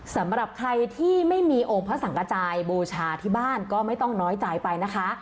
สำหรับใครที่ไม่มีองค์พระสังกระจายบูชาที่บ้านก็ไม่ต้องน้อยใจไปนะคะ